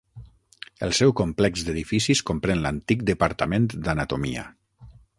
El seu complex d'edificis comprèn l'antic Departament d'Anatomia.